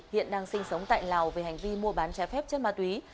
hiện đang sinh sống tại lào về hành vi mua bán trái phép chất ma túy